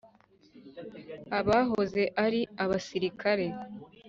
abahoze ari abasirikare